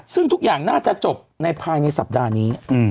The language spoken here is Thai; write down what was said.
ซึ่งทุกอย่างน่าจะจบในภายในสัปดาห์นี้